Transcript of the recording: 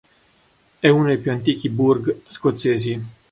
È uno dei più antichi "burgh" scozzesi.